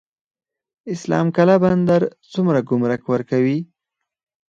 اسلام قلعه بندر څومره ګمرک ورکوي؟